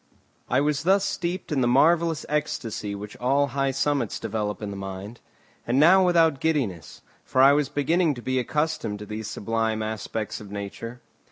I was thus steeped in the marvellous ecstasy which all high summits develop in the mind; and now without giddiness, for I was beginning to be accustomed to these sublime aspects of nature.